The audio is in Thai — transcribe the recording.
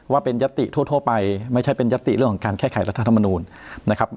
ว่าเป็นยัตติทั่วไปไม่ใช่เป็นยัตติเรื่องของการแก้ไขรัฐธรรมนูลนะครับ